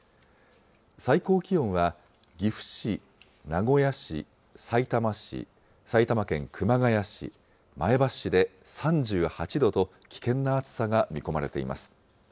最高気温は岐阜市、名古屋市、さいたま市、埼玉県熊谷市、前橋市で３８度と、危険な暑さが見込まれています。